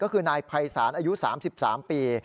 คือนายไพรสารอายุ๓๓ปี